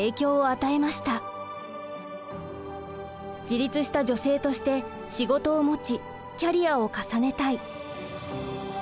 自立した女性として仕事を持ちキャリアを重ねたい。